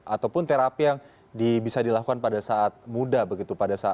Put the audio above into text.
ataupun terapi yang bisa dilakukan pada saat muda begitu